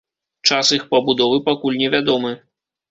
Час іх пабудовы пакуль не вядомы.